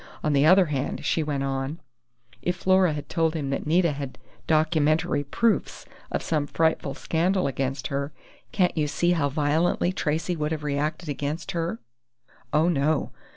On the other hand," she went on, "if Flora had told him that Nita had documentary proofs of some frightful scandal against her, can't you see how violently Tracey would have reacted against her?... Oh, no!